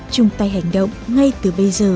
chúng ta hành động ngay từ bây giờ